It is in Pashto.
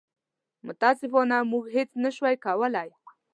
متاسفانه موږ هېڅ نه شو کولی.